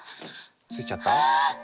ついちゃった？